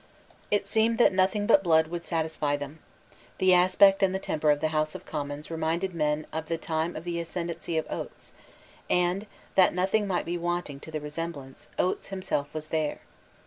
It seemed that nothing but blood would satisfy them. The aspect and the temper of the House of Commons reminded men of the time of the ascendency of Oates; and, that nothing might be wanting to the resemblance, Oates himself was there.